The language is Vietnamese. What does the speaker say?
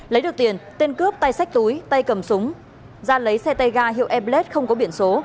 lấy được tiền tên cướp tay sách túi tay cầm súng ra lấy xe tay ga hiệu airblade không có biển số